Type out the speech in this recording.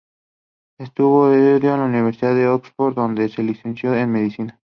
Estudió en la universidad de Oxford, donde se licenció en medicina.